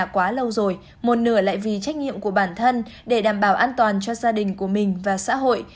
quá lâu rồi một nửa lại vì trách nhiệm của bản thân để đảm bảo an toàn cho gia đình của mình và xã hội